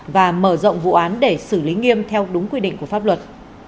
và mở rộng vụ án để xử lý nghiêm theo đúng quy định của pháp luật